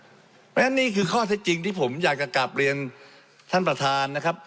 เพราะฉะนั้นนี่คือข้อเท็จจริงที่ผมอยากจะกลับเรียนท่านประธานนะครับ